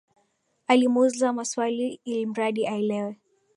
Alimwuliza maswali ilmradi aelewe